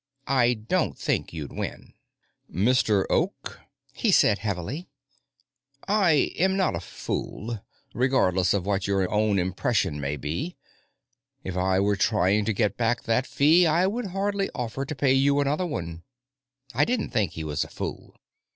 I don't think you'd win." "Mr. Oak," he said heavily, "I am not a fool, regardless of what your own impression may be. If I were trying to get back that fee, I would hardly offer to pay you another one." I didn't think he was a fool.